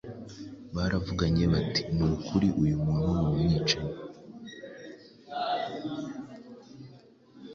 baravuganye bati “ni ukuri uyu muntu ni umwicanyi;